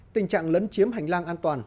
tình trạng lấn chiếm hành lang an toàn